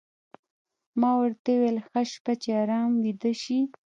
ما ورته وویل: ښه شپه، چې ارام ویده شې.